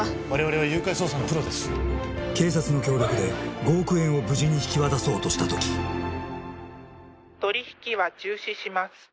我々は誘拐捜査のプロです警察の協力で５億円を無事に引き渡そうとしたとき・取り引きは中止します